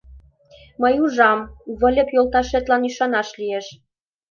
Мый ужам, Выльып йолташетлан ӱшанаш лиеш.